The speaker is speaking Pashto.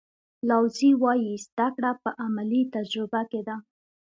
لاوزي وایي زده کړه په عملي تجربه کې ده.